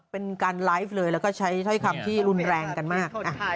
เป็นการไลฟ์เลยแล้วก็ใช้ถ้อยคำที่รุนแรงกันมาก